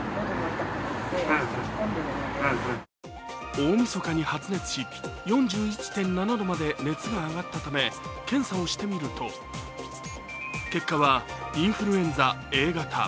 大みそかに発熱し４１．７度まで熱が上がったため検査をしてみると結果はインフルエンザＡ型。